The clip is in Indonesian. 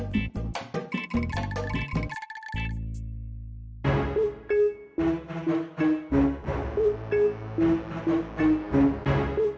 daripada rewel minta jajan baso